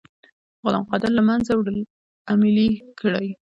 غلام قادر له منځه وړل عملي کړئ.